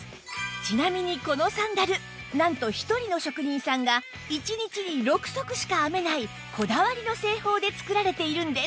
ちなみにこのサンダルなんと１人の職人さんが１日に６足しか編めないこだわりの製法で作られているんです